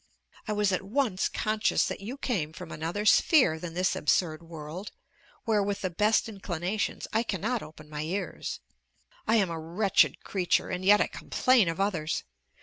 I was at once conscious that you came from another sphere than this absurd world, where, with the best inclinations, I cannot open my ears. I am a wretched creature, and yet I complain of others!!